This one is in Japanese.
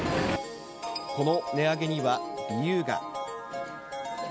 この値上げには理由が。